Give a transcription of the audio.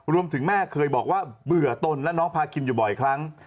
แม่เคยบอกว่าเบื่อตนและน้องพาคินอยู่บ่อยครั้ง